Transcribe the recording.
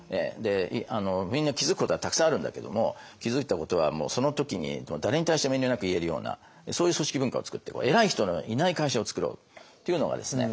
みんな気付くことはたくさんあるんだけども気付いたことはもうその時に誰に対しても遠慮なく言えるようなそういう組織文化をつくっていこう偉い人のいない会社をつくろう。っていうのがですね